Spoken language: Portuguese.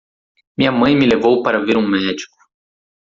Minha mãe me levou para ver um médico.